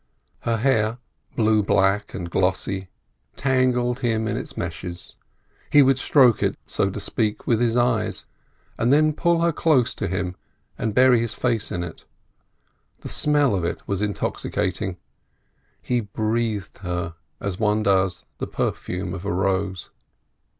Her hair, blue black and glossy, tangled him in its meshes; he would stroke it, so to speak, with his eyes, and then pull her close to him and bury his face in it; the smell of it was intoxicating. He breathed her as one does the perfume of a rose.